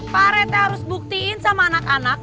parete harus buktiin sama anak anak